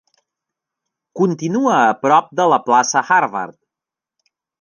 Continua a prop de la plaça Harvard.